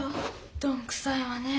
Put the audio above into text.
どんくさいわね。